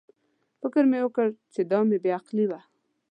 فکر مې وکړ چې دا مې بې عقلي وه.